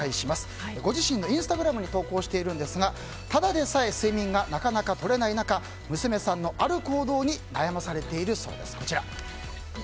ご自身のインスタグラムに投稿しているんですがただでさえ睡眠がなかなかとれない中娘さんの、ある行動に悩まされているそうです。